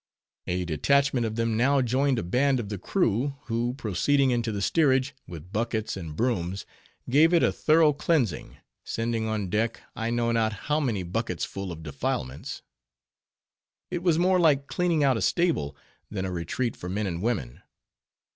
A detachment of them now joined a band of the crew, who proceeding into the steerage, with buckets and brooms, gave it a thorough cleansing, sending on deck, I know not how many bucketsful of defilements. It was more like cleaning out a stable, than a retreat for men and women.